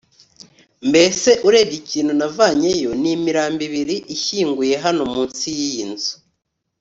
mbese urebye ikintu navanyeyo nimirambo ibiri ishyinguye hano munsi yiyi nzu